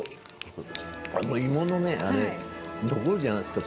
芋の残るじゃないですか。